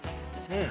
うん